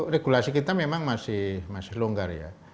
regulasi kita memang masih longgar ya